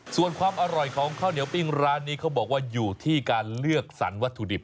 ส่วนความอร่อยของข้าวเหนียวปิ้งร้านนี้เขาบอกว่าอยู่ที่การเลือกสรรวัตถุดิบ